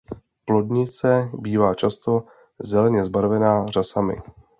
Plodnice bývá často zeleně zbarvena řasami.